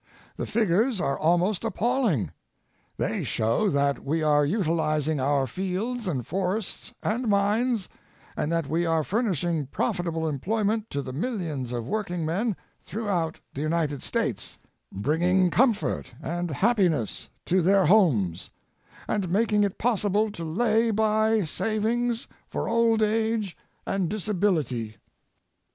The figures are almost appalling. The} show that we are utilizing our fields and forests and mines, and that we are furnishing profitable employment to the millions of workingmen throughout the United States, bring ing comfort and happiness to their homes, and making it possible to lay by savings for old age and disability. 8 Last Speech of William McKinlcy.